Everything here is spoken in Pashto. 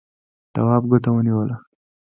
تواب ګوته ونيوله.